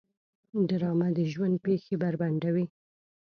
ډرامه د ژوند پېښې بربنډوي